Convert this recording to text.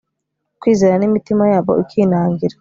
ukwizera n imitima yabo ikinangira